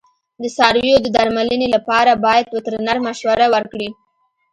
د څارویو د درملنې لپاره باید وترنر مشوره ورکړي.